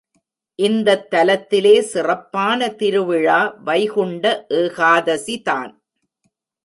இந்தத் தலத்திலே சிறப்பான திருவிழா வைகுண்ட ஏகாதசிதான்.